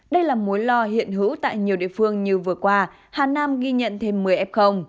đây là mối lo hiện hữu tại nhiều địa phương như vừa qua hà nam ghi nhận thêm một mươi f